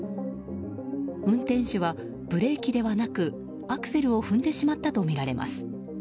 運転手はブレーキではなくアクセルを踏んでしまったとみられます。